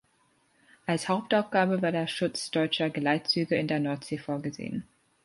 Als Hauptaufgabe war der Schutz deutscher Geleitzüge in der Nordsee vorgesehen.